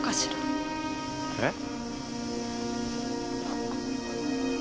えっ？